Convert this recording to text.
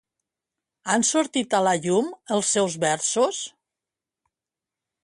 Han sortit a la llum els seus versos?